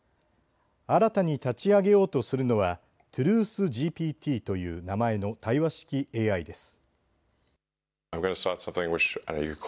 新たに立ち上げようとするのはＴｒｕｔｈＧＰＴという名前の対話式ＡＩです。